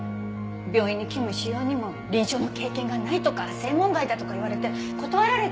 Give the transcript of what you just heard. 病院に勤務しようにも臨床の経験がないとか専門外だとか言われて断られたんでしょ？